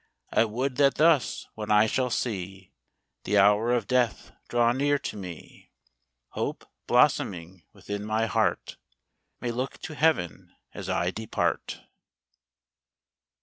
I would that thus, when I shall see The hour of death draw near to me, Hope, blossoming within my heart, May look to heaven as I depart.